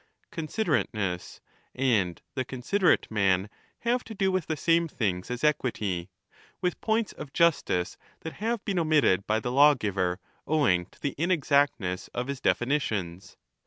Considerateness ^ and the considerate man have to do 2 35 with the same things as equity, with points of justice that have been omitted by the lawgiver owing to the inexact ness of his definitions.